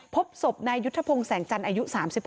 พบศพนายยุทธพงศ์แสงจันทร์อายุ๓๖